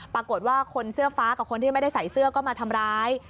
ปรากฏว่าคนเสื้อฟ้ากับคนที่ไม่ได้ใส่เสื้อก็มาทำร้าย